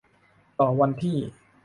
ต่อวันที่